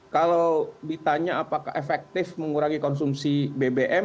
kalau ditanya apakah efektif mengurangi konsumsi bbm